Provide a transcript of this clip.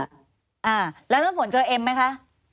อ่าแล้วน้ำฝนเจอเอ็มไหมคะ